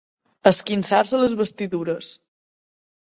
Esquinçar-se les vestidures.